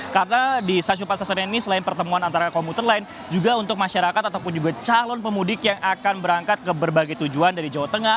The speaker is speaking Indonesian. karena di stasiun pasar senen ini selain pertemuan antara komuter lain juga untuk masyarakat ataupun juga calon pemudik yang akan berangkat ke berbagai tujuan dari jawa tengah